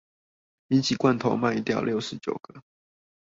比起罐頭賣掉六十九個